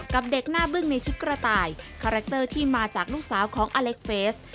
กับเด็กหน้าบึ้งในชุดกระต่ายคาแรคเตอร์ที่มาจากลูกสาวของอเล็กเฟส